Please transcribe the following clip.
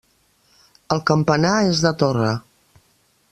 El campanar és de torre.